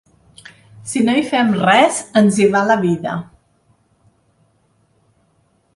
Si no hi fem res, ens hi va la vida.